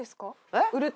えっ？